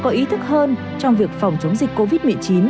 để mọi người có ý thức hơn trong việc phòng chống dịch covid một mươi chín